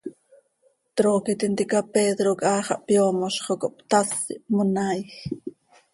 Trooqui tintica Pedro quih haa xah hpyoomoz xo cohptás, ihpmonaaaij.